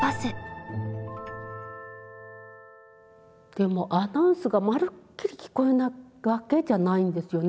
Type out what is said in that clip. でもアナウンスがまるっきり聞こえないわけじゃないんですよね。